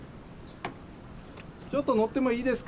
ちょっと乗ってもいいですか？